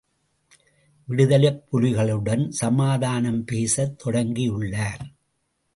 விடுதலைப் புலிகளுடன் சமாதானம் பேசத் தொடங்கியுள்ளார்.